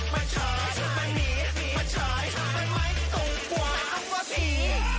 ไม่ตรงกว่าผี